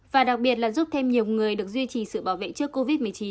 và đặc biệt là giúp thêm nhiều người được duy trì sự bảo vệ trước covid một mươi chín